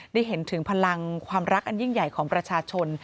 ได้เห็นถึงพลังความรักอันยิ่งใหญ่ของประชาชน